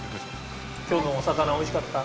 今日のお魚おいしかった？